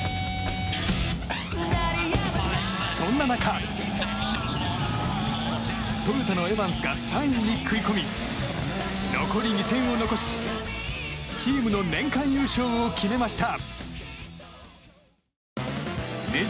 そんな中、トヨタのエバンスが３位に食い込み残り２戦を残しチームの年間優勝を決めました。